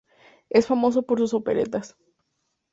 Es famoso por sus operetas.